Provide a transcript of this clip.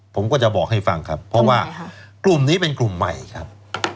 ผมก็จะบอกให้ฟังครับเพราะว่ากลุ่มนี้เป็นกลุ่มใหม่ครับ